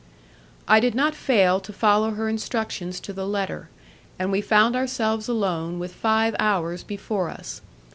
I did not fail to follow her instructions to the letter, and we found ourselves alone with five hours before us.